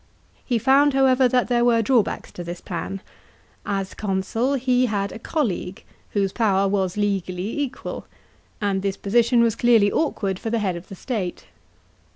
He found, however, that there were drawbacks to this plan. As consul he bad a colleague, whose power was legally equal; and this position was clearly awkward for the head of the state.